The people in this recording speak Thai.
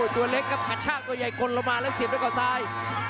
เด้งกับขัดช่างตัวใหญ่กลลลงมาแล้วเสียบด้วยข่าวซ้าย